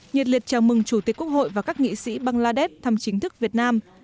nhiệt liệt chào mừng chủ tịch quốc hội và các nghị sĩ bangladesh thăm chính thức việt nam